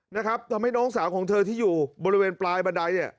นะครับทำให้น้องสาวของเธอที่อยู่บริเวณปลายบันไดเนี่ย